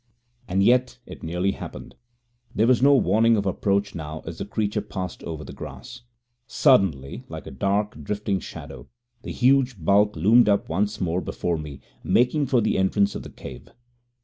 And yet it nearly happened. There was no warning of approach now as the creature passed over the grass. Suddenly, like a dark, drifting shadow, the huge bulk loomed up once more before me, making for the entrance of the cave.